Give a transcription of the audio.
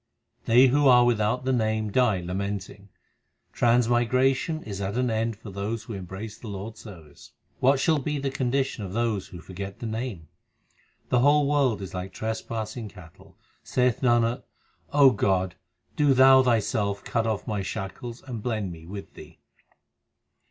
They who are without the Name die lamenting. Transmigration is at an end for those who embrace the Lord s service. What shall be the condition of those who forget the Name ? The whole world is like trespassing cattle. 1 Saith Nanak, O God, do Thou Thyself cut off my shackles and blend me with Thee.